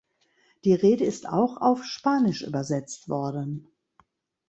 Die Rede ist auch auf Spanisch übersetzt worden.